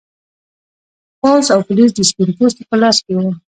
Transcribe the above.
پوځ او پولیس د سپین پوستو په لاس کې و.